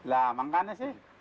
lah makanya sih